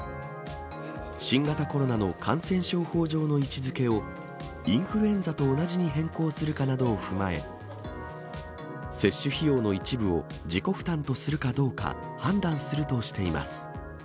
新型コロナの感染症法上の位置づけを、インフルエンザと同じに変更するかなどを踏まえ、接種費用の一部を自己負担とするかどうか判断するとしています。